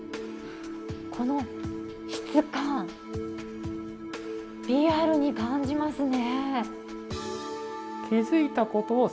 この質感、リアルに感じますね。